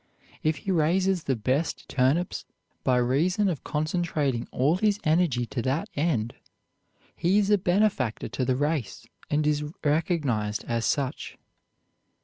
If he raises the best turnips by reason of concentrating all his energy to that end, he is a benefactor to the race, and is recognized as such.